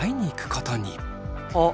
あっ。